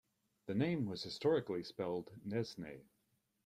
The name was historically spelled "Nesne".